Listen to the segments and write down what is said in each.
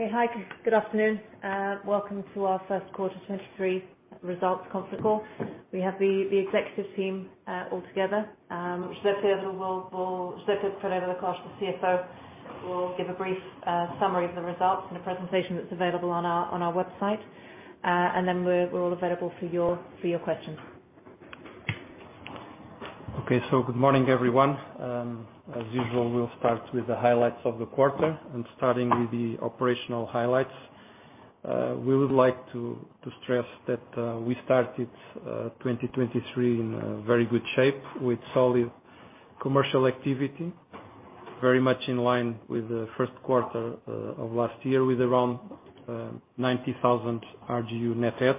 Okay. Hi, good afternoon. Welcome to our first quarter 2023 results conference call. We have the executive team all together. Silvio will, Silvio Pereira da Costa, the CFO, will give a brief summary of the results and a presentation that's available on our website. We're all available for your questions. Good morning, everyone. As usual, we'll start with the highlights of the quarter. Starting with the operational highlights, we would like to stress that we started 2023 in a very good shape with solid commercial activity, very much in line with the first quarter of last year, with around 90,000 RGU net adds.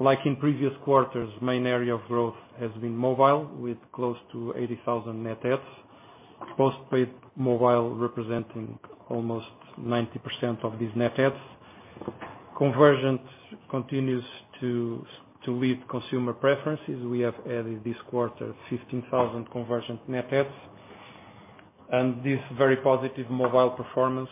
Like in previous quarters, main area of growth has been mobile, with close to 80,000 net adds. Postpaid mobile representing almost 90% of these net adds. Convergence continues to lead consumer preferences. We have added this quarter 15,000 convergent net adds. This very positive mobile performance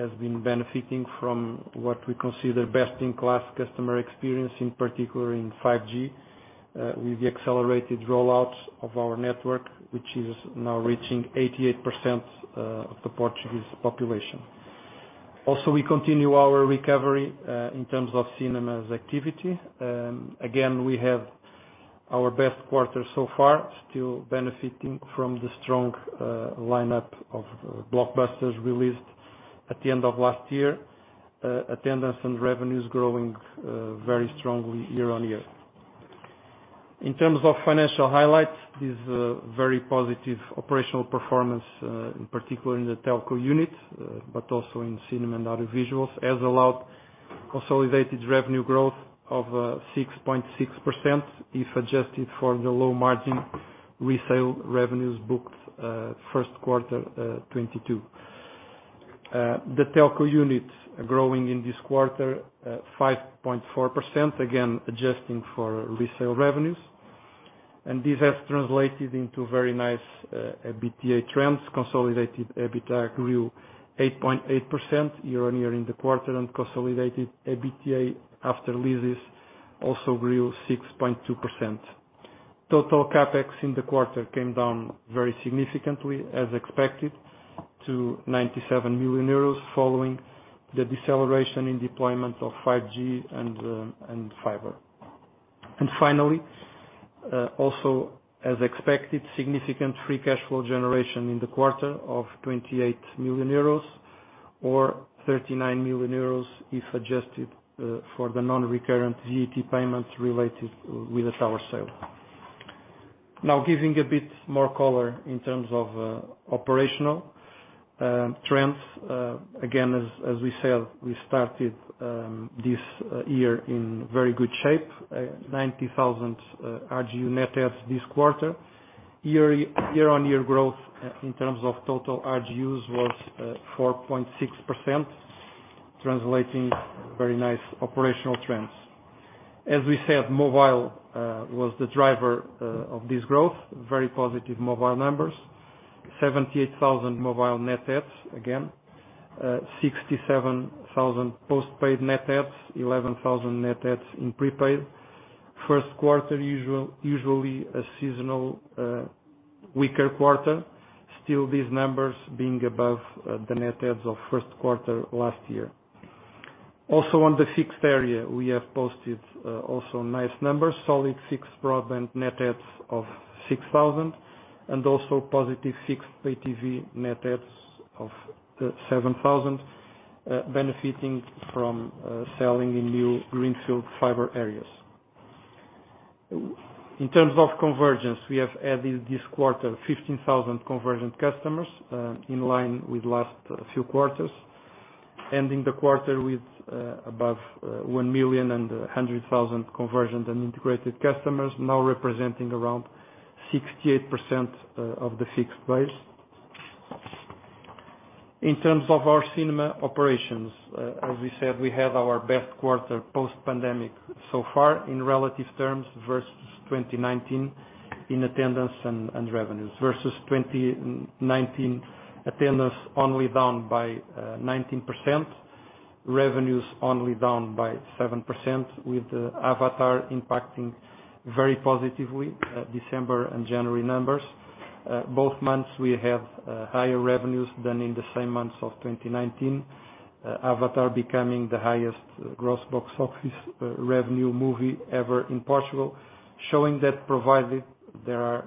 has been benefiting from what we consider best-in-class customer experience, in particular in 5G with the accelerated rollout of our network, which is now reaching 88% of the Portuguese population. Also, we continue our recovery in terms of cinemas activity. Again, we have our best quarter so far, still benefiting from the strong lineup of blockbusters released at the end of last year. Attendance and revenues growing very strongly year-on-year. In terms of financial highlights, this very positive operational performance, in particular in the telco unit, but also in cinema and audiovisuals, has allowed consolidated revenue growth of 6.6% if adjusted for the low margin resale revenues booked Q1 2022. The telco unit growing in this quarter, 5.4%, again, adjusting for resale revenues. This has translated into very nice EBITDA trends. Consolidated EBITDA grew 8.8% year-on-year in the quarter, and consolidated EBITDA after leases also grew 6.2%. Total CapEx in the quarter came down very significantly as expected to 97 million euros following the deceleration in deployment of 5G and fiber. Finally, also as expected, significant free cash flow generation in the quarter of 28 million euros or 39 million euros if adjusted for the non-recurrent VAT payments related with the tower sale. Now, giving a bit more color in terms of operational trends. Again, as we said, we started this year in very good shape. 90,000 RGU net adds this quarter. Year, year-on-year growth in terms of total RGUs was 4.6%, translating very nice operational trends. As we said, mobile was the driver of this growth. Very positive mobile numbers. 78,000 mobile net adds, again. 67,000 postpaid net adds, 11,000 net adds in prepaid. First quarter usually a seasonal weaker quarter. Still these numbers being above the net adds of first quarter last year. Also, on the fixed area, we have posted also nice numbers. Solid fixed broadband net adds of 6,000 and also positive fixed PayTV net adds of 7,000 benefiting from selling in new greenfield fiber areas. In terms of convergence, we have added this quarter 15,000 convergent customers, in line with last few quarters, ending the quarter with above 1.1 million convergent and integrated customers, now representing around 68% of the fixed base. In terms of our cinema operations, as we said, we had our best quarter post-pandemic so far in relative terms versus 2019 in attendance and revenues. Versus 2019, attendance only down by 19%, revenues only down by 7%, with Avatar impacting very positively December and January numbers. Both months we have higher revenues than in the same months of 2019. Avatar becoming the highest gross box office revenue movie ever in Portugal, showing that provided there are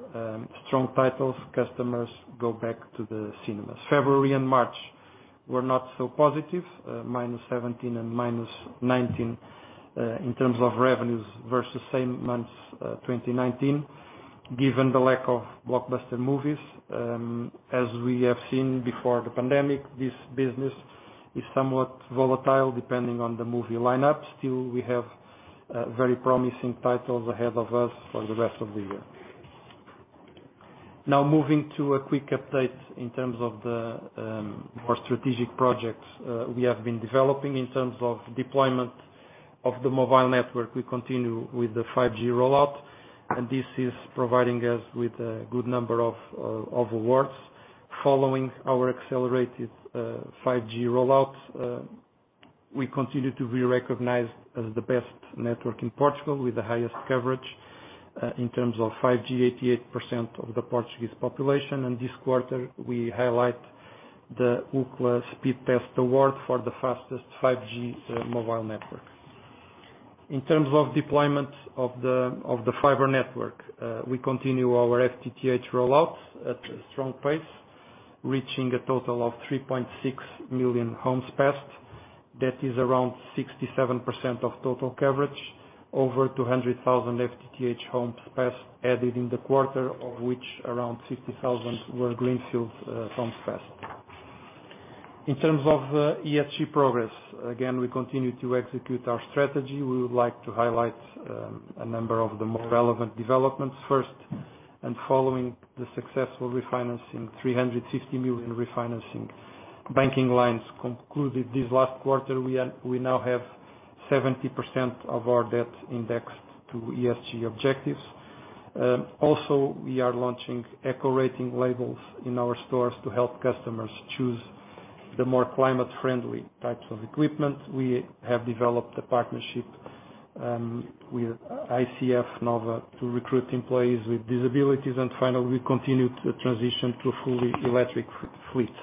strong titles, customers go back to the cinemas. February and March were not so positive, -17% and -19% in terms of revenues versus same months, 2019, given the lack of blockbuster movies. As we have seen before the pandemic, this business is somewhat volatile depending on the movie lineup. Still, we have very promising titles ahead of us for the rest of the year. Now, moving to a quick update in terms of the our strategic projects, we have been developing in terms of deployment of the mobile network, we continue with the 5G rollout and this is providing us with a good number of awards. Following our accelerated 5G rollout, we continue to be recognized as the best network in Portugal with the highest coverage in terms of 5G, 88% of the Portuguese population, and this quarter we highlight the Ookla Speedtest Award for the fastest 5G mobile network. In terms of deployment of the fiber network, we continue our FTTH rollout at a strong pace, reaching a total of 3.6 million homes passed. That is around 67% of total coverage. Over 200,000 FTTH homes passed added in the quarter of which around 50,000 were greenfield homes passed. In terms of ESG progress, again, we continue to execute our strategy. We would like to highlight a number of the more relevant developments first and following the successful refinancing, 350 million refinancing banking lines concluded this last quarter. We now have 70% of our debt indexed to ESG objectives. Also we are launching Eco Rating labels in our stores to help customers choose the more climate friendly types of equipment. We have developed a partnership with ICF Nova to recruit employees with disabilities. Finally, we continue to transition to a fully electric fleet.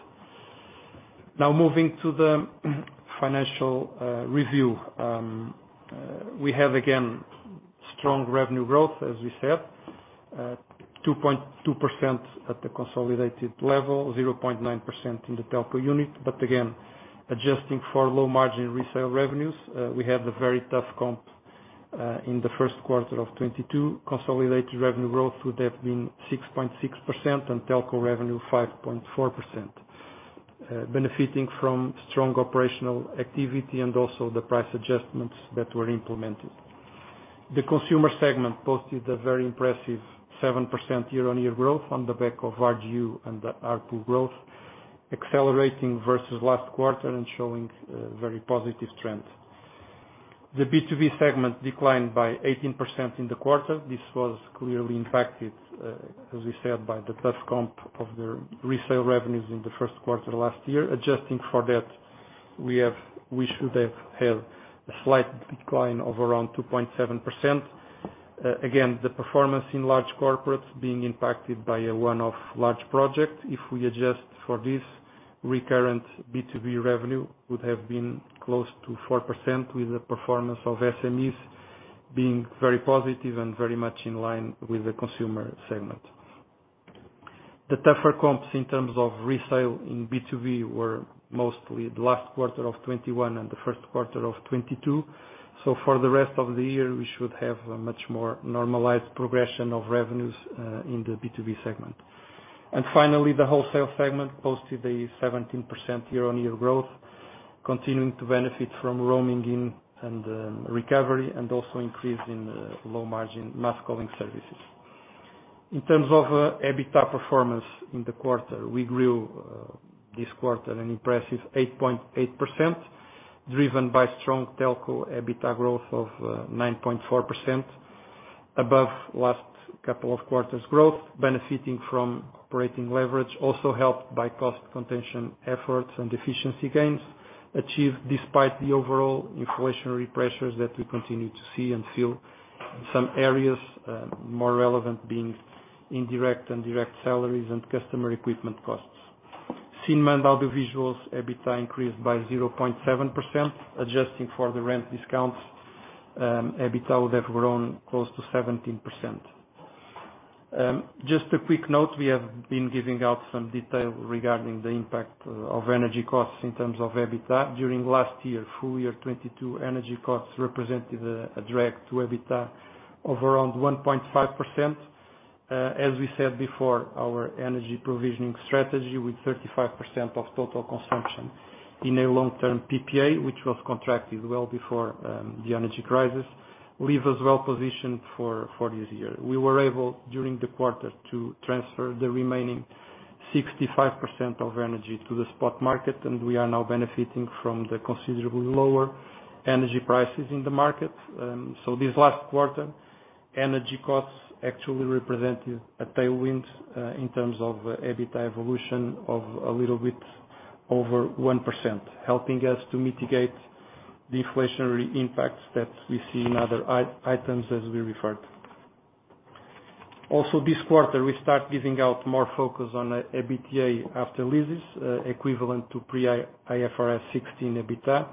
Now moving to the financial review. We have again strong revenue growth, as we said, 2.2% at the consolidated level, 0.9% in the telco unit. Again, adjusting for low margin resale revenues, we had a very tough comp in the first quarter of 2022. Consolidated revenue growth would have been 6.6% and telco revenue 5.4%. Benefiting from strong operational activity and also the price adjustments that were implemented. The consumer segment posted a very impressive 7% year-on-year growth on the back of RGU and ARPU growth, accelerating versus last quarter and showing very positive trends. The B2B segment declined by 18% in the quarter. This was clearly impacted, as we said, by the tough comp of the resale revenues in the first quarter last year. Adjusting for that we should have had a slight decline of around 2.7%. Again, the performance in large corporates being impacted by a one-off large project. If we adjust for this recurrent B2B revenue would have been close to 4% with the performance of SMEs being very positive and very much in line with the consumer segment. The tougher comps in terms of resale in B2B were mostly the last quarter of 2021 and the first quarter of 2022. For the rest of the year, we should have a much more normalized progression of revenues in the B2B segment. Finally, the wholesale segment posted a 17% year-on-year growth, continuing to benefit from roaming in and recovery and also increase in low margin mass calling services. In terms of EBITDA performance in the quarter, we grew this quarter an impressive 8.8%, driven by strong telco EBITDA growth of 9.4% above last couple of quarters growth benefiting from operating leverage also helped by cost contention efforts and efficiency gains achieved despite the overall inflationary pressures that we continue to see and feel in some areas, more relevant being indirect and direct salaries and customer equipment costs. Cinemundo Visuals EBITDA increased by 0.7%. Adjusting for the rent discounts, EBITDA would have grown close to 17%. Just a quick note, we have been giving out some detail regarding the impact of energy costs in terms of EBITDA. During last year, full year 2022 energy costs represented a drag to EBITDA of around 1.5%. As we said before, our energy provisioning strategy with 35% of total consumption in a long-term PPA, which was contracted well before the energy crisis, leave us well positioned for this year. We were able, during the quarter, to transfer the remaining 65% of energy to the spot market, we are now benefiting from the considerably lower energy prices in the market. This last quarter, energy costs actually represented a tailwind, in terms of EBITDA evolution of a little bit over 1%, helping us to mitigate the inflationary impacts that we see in other items as we referred. This quarter, we start giving out more focus on EBITDA after leases, equivalent to pre-IFRS 16 EBITDA.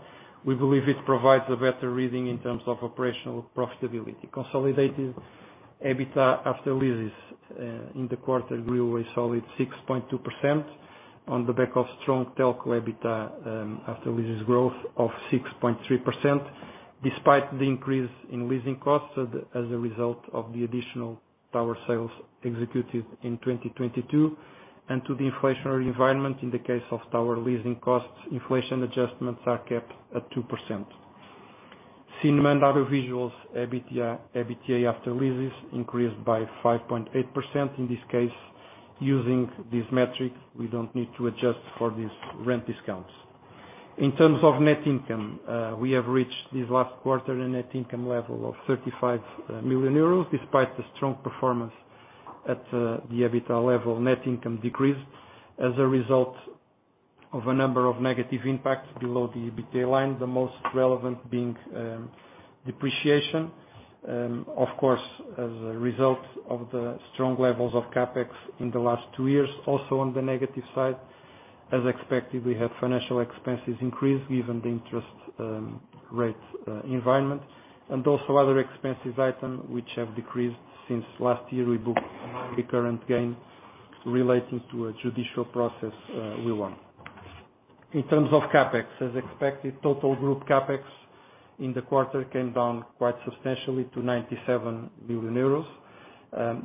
We believe it provides a better reading in terms of operational profitability. Consolidated EBITDA after leases in the quarter grew a solid 6.2% on the back of strong telco EBITDA after leases growth of 6.3% despite the increase in leasing costs as a result of the additional tower sales executed in 2022 and to the inflationary environment. In the case of tower leasing costs, inflation adjustments are kept at 2%. Cinemundo Visuals EBITDA after leases increased by 5.8% in this caseUsing these metrics, we don't need to adjust for these rent discounts. In terms of net income, we have reached this last quarter a net income level of 35 million euros. Despite the strong performance at the EBITDA level, net income decreased as a result of a number of negative impacts below the EBITDA line. The most relevant being depreciation. Of course, as a result of the strong levels of CapEx in the last two years, also on the negative side, as expected, we had financial expenses increase given the interest rate environment. Also other expenses item which have decreased since last year, we booked a non-recurrent gain relating to a judicial process we won. In terms of CapEx, as expected, total group CapEx in the quarter came down quite substantially to 97 billion euros.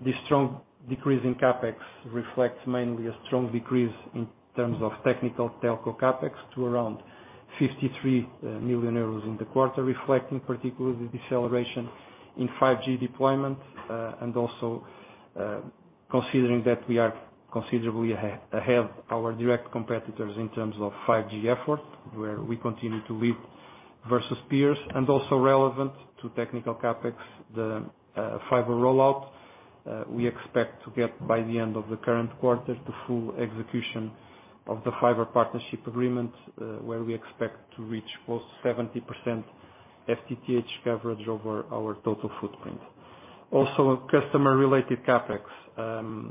This strong decrease in CapEx reflects mainly a strong decrease in terms of technical telco CapEx to around 53 million euros in the quarter, reflecting particularly the deceleration in 5G deployment. Also, considering that we are considerably ahead of our direct competitors in terms of 5G effort, where we continue to lead versus peers. Also relevant to technical CapEx, the fiber rollout. We expect to get by the end of the current quarter, the full execution of the fiber partnership agreement, where we expect to reach close to 70% FTTH coverage over our total footprint. Also, customer-related CapEx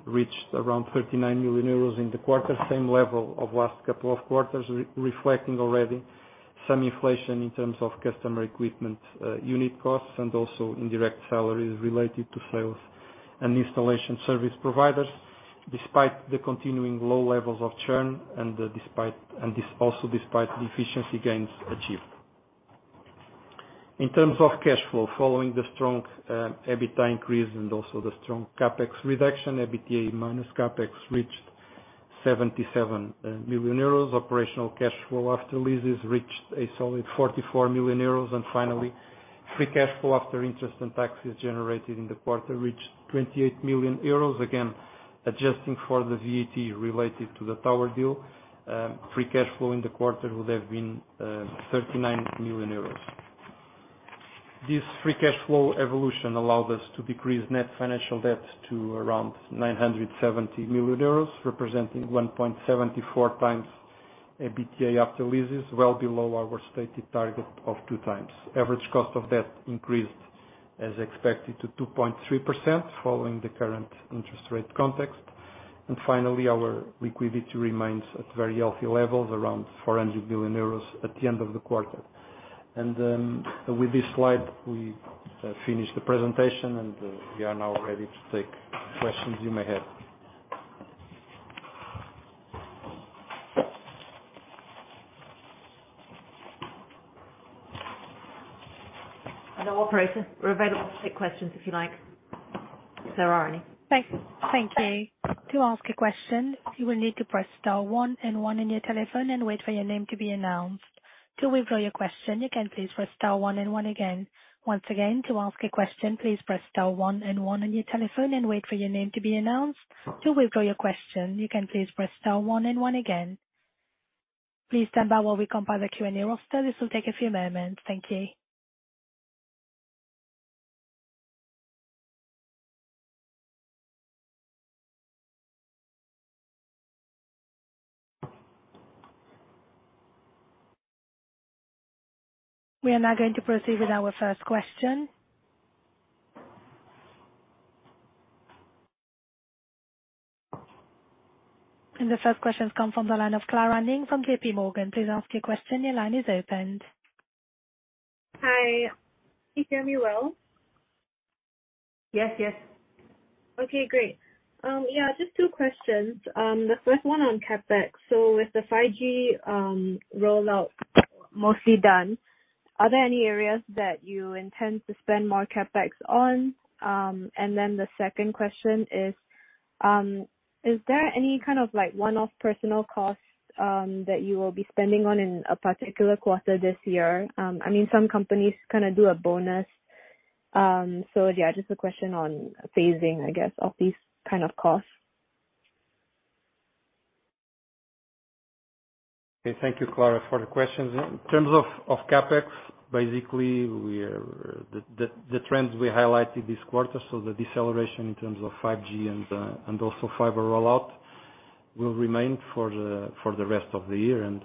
reached around 39 million euros in the quarter. Same level of last couple of quarters, reflecting already some inflation in terms of customer equipment, unit costs and also indirect salaries related to sales and installation service providers, despite the continuing low levels of churn and also despite the efficiency gains achieved. In terms of cash flow, following the strong EBITDA increase and also the strong CapEx reduction, EBITDA minus CapEx reached 77 million euros. Operational cash flow after leases reached a solid 44 million euros. Finally, free cash flow after interest and taxes generated in the quarter reached 28 million euros. Again, adjusting for the VAT related to the tower deal, free cash flow in the quarter would have been 39 million euros. This free cash flow evolution allowed us to decrease net financial debt to around 970 million euros, representing 1.74x EBITDA after leases, well below our stated target of 2x. Average cost of debt increased as expected to 2.3%, following the current interest rate context. Finally, our liquidity remains at very healthy levels, around 400 million euros at the end of the quarter. With this slide, we finish the presentation and we are now ready to take questions you may have. Our operator, we're available to take questions, if you like. If there are any. Thank you. To ask a question, you will need to press star 1 and 1 on your telephone and wait for your name to be announced. To withdraw your question, you can please press star 1 and 1 again. Once again, to ask a question, please press star 1 and 1 on your telephone and wait for your name to be announced. To withdraw your question, you can please press star 1 and 1 again. Please stand by while we compile the Q&A roster. This will take a few moments. Thank you. We are now going to proceed with our first question. The first question come from the line of Clara Ning from JP Morgan. Please ask your question. Your line is opened. Hi, can you hear me well? Yes, yes. Okay, great. Yeah, just 2 questions. The first one on CapEx. With the 5G rollout mostly done, are there any areas that you intend to spend more CapEx on? The second question is there any kind of like one-off personal costs that you will be spending on in a particular quarter this year? I mean, some companies kinda do a bonus. Yeah, just a question on phasing, I guess, of these kind of costs. Okay, thank you, Clara, for the questions. In terms of CapEx, basically we are, the trends we highlighted this quarter, so the deceleration in terms of 5G and also fiber rollout will remain for the rest of the year and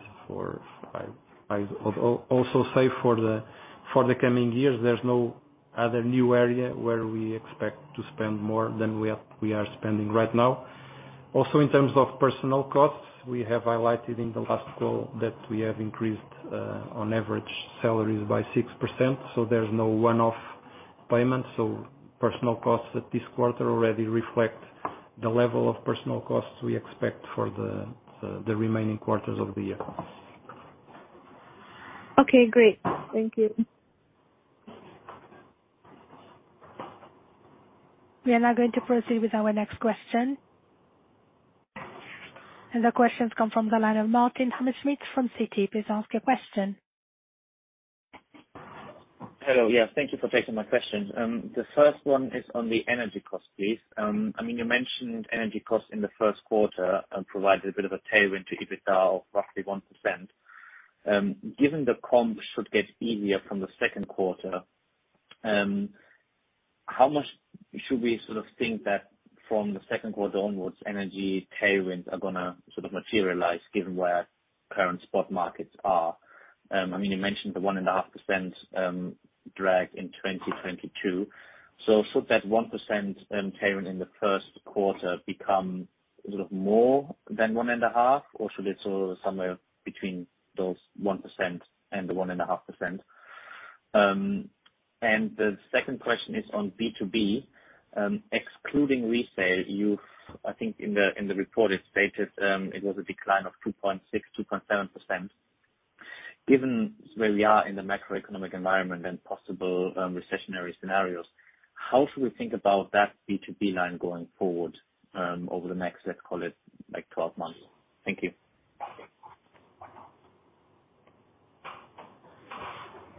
also say for the coming years, there's no other new area where we expect to spend more than we are spending right now. Also, in terms of personal costs, we have highlighted in the last call that we have increased on average, salaries by 6%, so there's no one-off payments. Personal costs at this quarter already reflect the level of personal costs we expect for the remaining quarters of the year. Okay, great. Thank you. We are now going to proceed with our next question. The questions come from the line of Martin Hammerschmidt from Citi. Please ask your question. Hello. Yeah, thank you for taking my questions. The first one is on the energy cost, please. I mean, you mentioned energy costs in the first quarter and provided a bit of a tailwind to EBITDA of roughly 1%. Given the comps should get easier from the second quarter, how much should we sort of think that from the second quarter onwards, energy tailwinds are gonna sort of materialize given where current spot markets are? I mean, you mentioned the 1.5% drag in 2022. Should that 1% tailwind in the first quarter become sort of more than 1.5%, or should it sort of somewhere between those 1% and the 1.5%? The second question is on B2B. Excluding resale, I think in the, in the reported stages, it was a decline of 2.6%, 2.7%. Given where we are in the macroeconomic environment and possible, recessionary scenarios, how should we think about that B2B line going forward, over the next, let's call it, like 12 months? Thank you.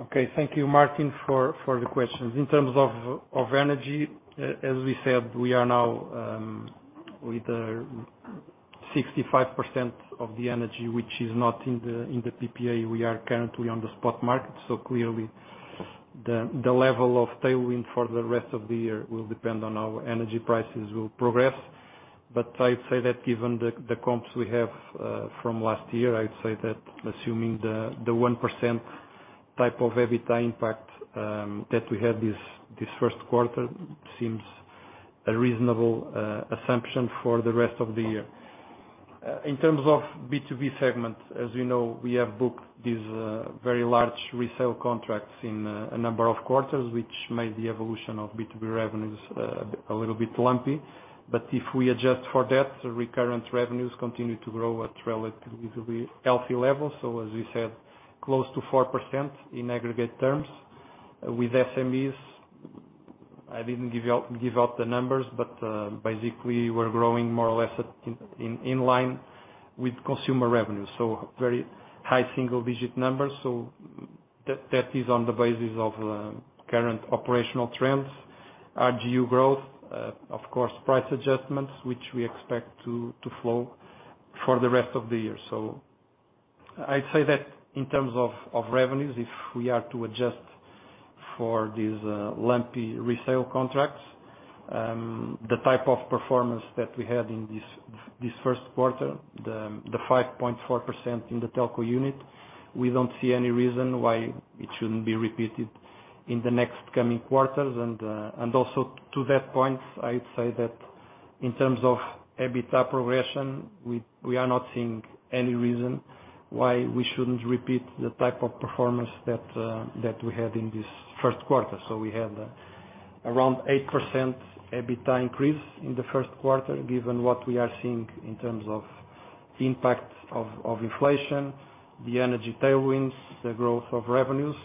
Okay. Thank you, Martin, for the questions. In terms of energy, as we said, we are now with the 65% of the energy which is not in the PPA, we are currently on the spot market. Clearly the level of tailwind for the rest of the year will depend on how energy prices will progress. I'd say that given the comps we have from last year, I'd say that assuming the 1% type of EBITDA impact that we had this first quarter seems a reasonable assumption for the rest of the year. In terms of B2B segment, as you know, we have booked these very large resale contracts in a number of quarters, which made the evolution of B2B revenues a little bit lumpy. If we adjust for that, the recurrent revenues continue to grow at relatively healthy levels. As we said, close to 4% in aggregate terms. With SMEs, I didn't give out the numbers, but basically we're growing more or less in line with consumer revenue, so very high single digit numbers. That is on the basis of current operational trends. RGU growth, of course, price adjustments, which we expect to flow for the rest of the year. I'd say that in terms of revenues, if we are to adjust for these lumpy resale contracts, the type of performance that we had in this first quarter, the 5.4% in the telco unit, we don't see any reason why it shouldn't be repeated in the next coming quarters. Also to that point, I'd say that in terms of EBITDA progression, we are not seeing any reason why we shouldn't repeat the type of performance that we had in this first quarter. We had around 8% EBITDA increase in the first quarter. Given what we are seeing in terms of impact of inflation, the energy tailwinds, the growth of revenues,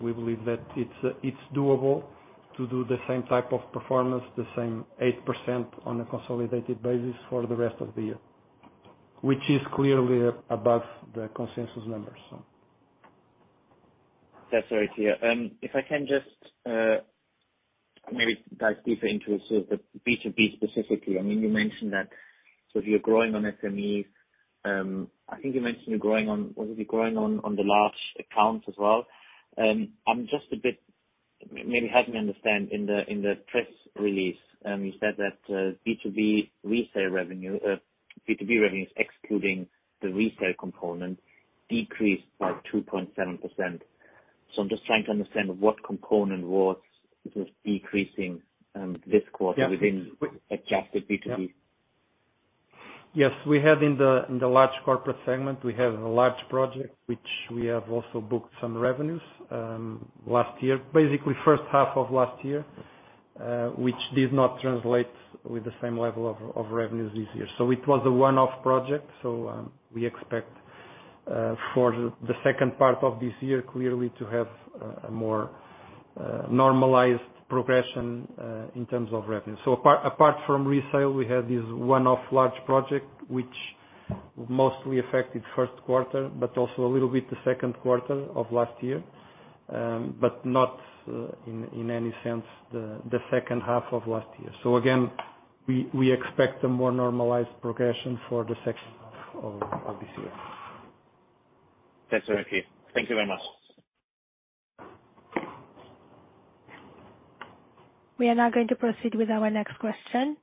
we believe that it's doable to do the same type of performance, the same 8% on a consolidated basis for the rest of the year, which is clearly above the consensus numbers, so. That's very clear. If I can just maybe dive deeper into sort of the B2B specifically. I mean, you mentioned that, so if you're growing on SMEs, I think you mentioned you're growing on the large accounts as well? I'm just a bit maybe help me understand in the, in the press release, you said that B2B resale revenue, B2B revenues excluding the resale component decreased by 2.7%. I'm just trying to understand what component was decreasing this quarter? Yeah. within adjusted B2B. Yes. We have in the large corporate segment, we have a large project which we have also booked some revenues last year, basically first half of last year, which did not translate with the same level of revenues this year. It was a one-off project. We expect for the second part of this year, clearly to have a more normalized progression in terms of revenue. Apart from resale, we have this one-off large project which mostly affected first quarter, but also a little bit the second quarter of last year. Not in any sense the second half of last year. Again, we expect a more normalized progression for the second half of this year. That's very clear. Thank you very much. We are now going to proceed with our next question.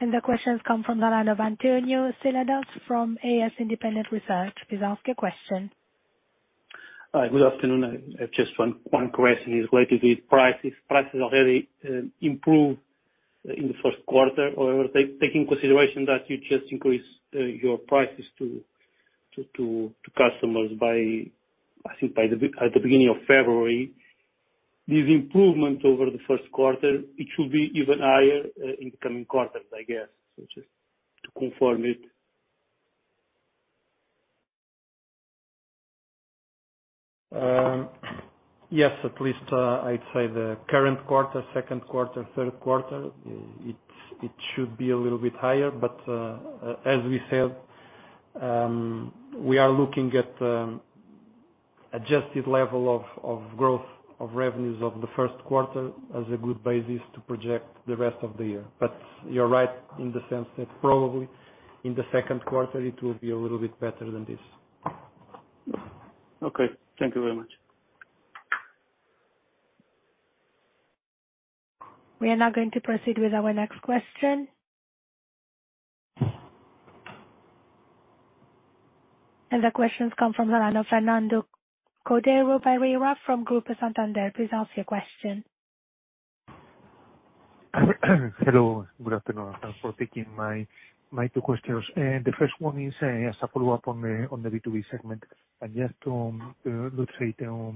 The question's come from the line of António Seladas from AS Independent Research. Please ask your question. Good afternoon. I have just one question is related with prices. Prices already improved in the first quarter. However, take in consideration that you just increased your prices to customers, I think at the beginning of February. This improvement over the first quarter, it should be even higher in the coming quarters, I guess. Just to confirm it. Yes, at least, I'd say the current quarter, second quarter, third quarter, it should be a little bit higher. As we said, we are looking at adjusted level of growth of revenues of the first quarter as a good basis to project the rest of the year. You're right in the sense that probably in the second quarter it will be a little bit better than this. Okay. Thank you very much. We are now going to proceed with our next question. The question comes from Fernando Cordero Barreira from Banco Santander. Please ask your question. Hello. Good afternoon. Thanks for taking my two questions. The first one is as a follow-up on the B2B segment. Just to reiterate, to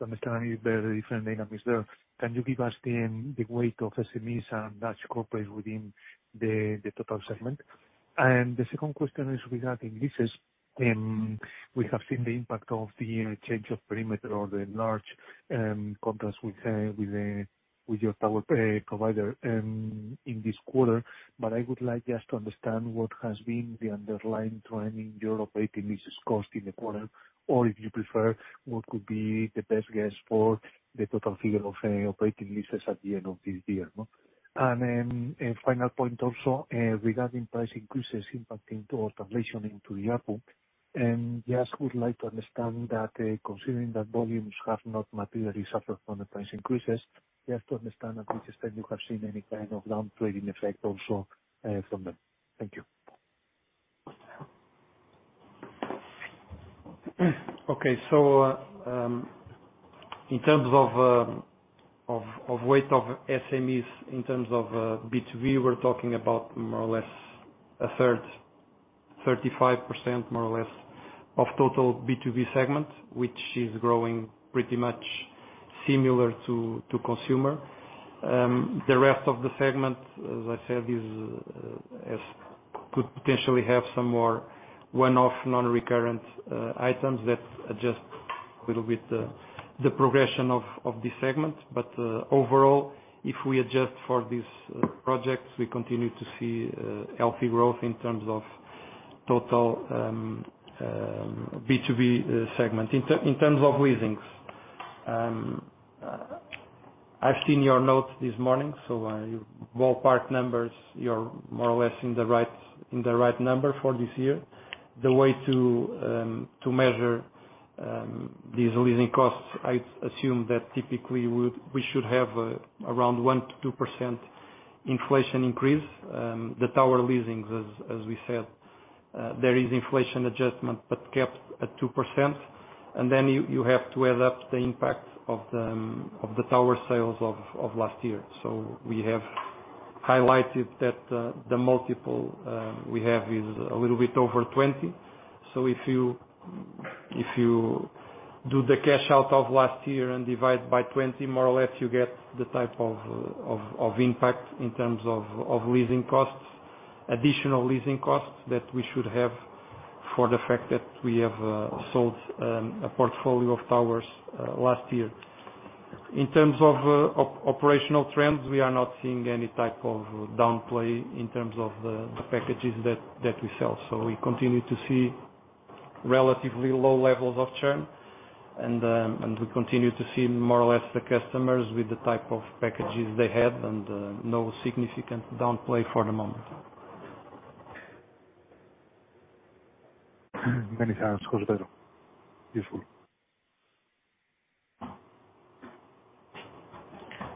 understand the different dynamics there, can you give us the weight of SMEs and large corporate within the total segment? The second question is regarding leases. We have seen the impact of the change of perimeter or the large contrast with your tower provider in this quarter. I would like just to understand what has been the underlying driving your operating leases cost in the quarter. If you prefer, what could be the best guess for the total figure of operating leases at the end of this year? A final point also, regarding price increases impacting or translation into the ARPU. Just would like to understand that, considering that volumes have not materially suffered from the price increases, we have to understand at this time you have seen any kind of down trading effect also, from them. Thank you. Okay. In terms of weight of SMEs, in terms of B2B, we're talking about more or less a third, 35% more or less of total B2B segment, which is growing pretty much similar to consumer. The rest of the segment, as I said, could potentially have some more one-off non-recurrent items that adjust little bit the progression of this segment. Overall, if we adjust for these projects, we continue to see healthy growth in terms of total B2B segment. In terms of leasings, I've seen your notes this morning, so ballpark numbers, you're more or less in the right number for this year. The way to measure these leasing costs, I assume that typically we should have around 1% to 2% inflation increase. The tower leasings, as we said, there is inflation adjustment but capped at 2%. Then you have to add up the impact of the tower sales of last year. We have highlighted that the multiple we have is a little bit over 20. If you do the cash out of last year and divide by 20, more or less you get the type of impact in terms of leasing costs, additional leasing costs that we should have for the fact that we have sold a portfolio of towers last year. In terms of operational trends, we are not seeing any type of downplay in terms of the packages that we sell. We continue to see relatively low levels of churn and we continue to see more or less the customers with the type of packages they had and, no significant downplay for the moment. Many thanks, José. Useful.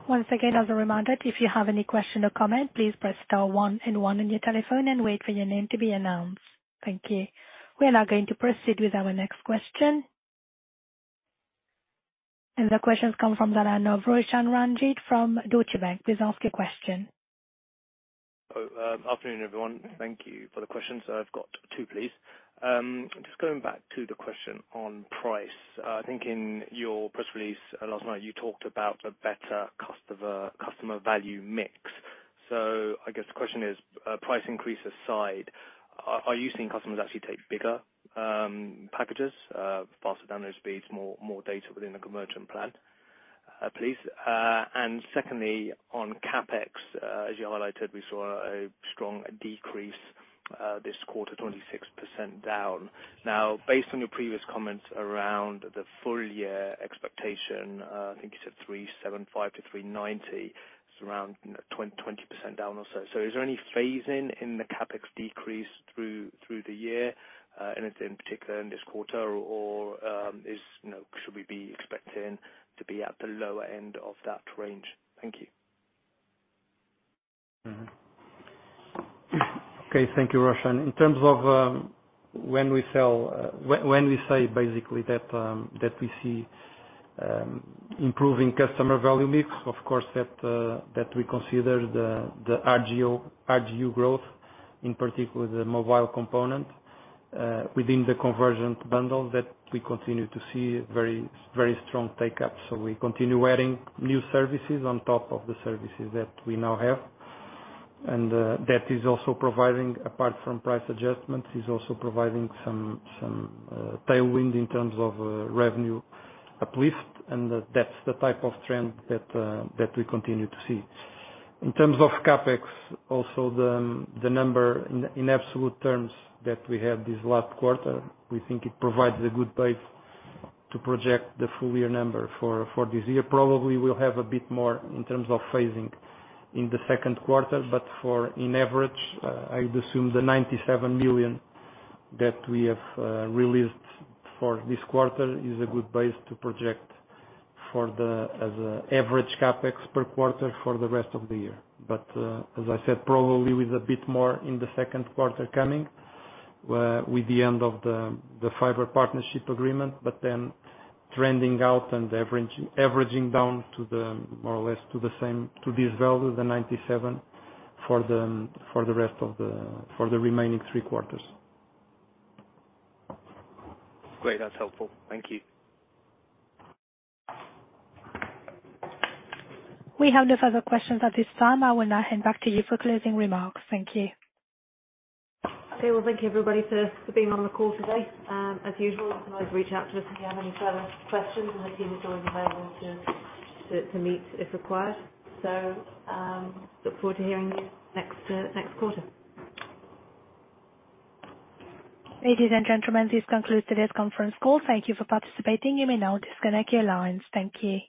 Once again as a reminder, if you have any question or comment, please press star one and one on your telephone and wait for your name to be announced. Thank you. We are now going to proceed with our next question. The question comes from the line of Roshan Ranjit from Deutsche Bank. Please ask your question. Afternoon, everyone. Thank you for the questions. I've got two, please. Just going back to the question on price. I think in your press release, last night you talked about a better customer value mix. I guess the question is, price increases aside, are you seeing customers actually take bigger packages, faster download speeds, more data within a convergent plan, please? Secondly, on CapEx, as you highlighted, we saw a strong decrease this quarter, 26% down. Based on your previous comments around the full year expectation, I think you said 375 million to 390 million. It's around 20% down or so. Is there any phasing in the CapEx decrease through the year, anything particular in this quarter or, you know, should we be expecting to be at the lower end of that range? Thank you. Okay, thank you, Roshan. In terms of when we say basically that we see improving customer value mix, of course that we consider the RGU growth, in particular the mobile component within the convergent bundle that we continue to see very, very strong take up. We continue adding new services on top of the services that we now have. That is also providing, apart from price adjustments, is also providing some tailwind in terms of revenue uplift. That's the type of trend that we continue to see. In terms of CapEx, also the number in absolute terms that we had this last quarter, we think it provides a good base to project the full year number for this year. Probably we'll have a bit more in terms of phasing in the second quarter, for in average, I would assume the 97 million that we have released for this quarter is a good base to project for the, as a average CapEx per quarter for the rest of the year. As I said, probably with a bit more in the second quarter coming, with the end of the fiber partnership agreement, trending out and averaging down to the more or less to the same, to this value, the 97 million for the rest of the remaining three quarters. Great. That's helpful. Thank you. We have no further questions at this time. I will now hand back to you for closing remarks. Thank you. Okay. Well, thank you everybody for being on the call today. As usual, you can always reach out to us if you have any further questions, and the team is always available to meet if required. Look forward to hearing you next quarter. Ladies and gentlemen, this concludes today's conference call. Thank you for participating. You may now disconnect your lines. Thank you.